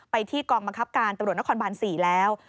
ไปที่กองบังคับการตำรวจนครบาน๔แล้ว